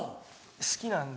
好きなんで。